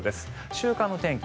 週間の天気